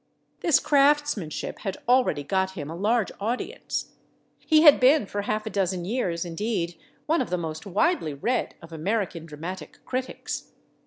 This craftsmanship had already got him a large audience; he had been for half a dozen years, indeed, one of the most widely read of American dramatic critics.